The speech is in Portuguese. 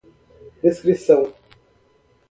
descrição